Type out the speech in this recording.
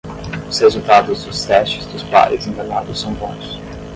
Os resultados dos testes dos pais enganados são bons